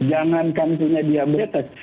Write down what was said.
jangankan punya diabetes